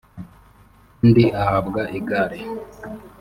undi ahabwa igare